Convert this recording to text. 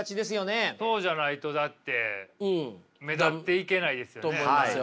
そうじゃないとだって目立っていけないですよね。と思いますよ。